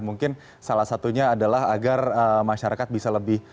mungkin salah satunya adalah agar masyarakat bisa lebih